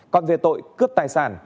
còn về tội cướp tài sản